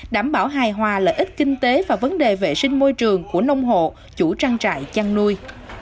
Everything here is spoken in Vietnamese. đảm bảo hài hòa lợi ích kinh tế và vấn đề vệ sinh môi trường của nông hộ chủ trang trại chăn nuôi